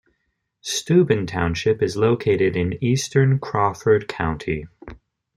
Steuben township is located in eastern Crawford County.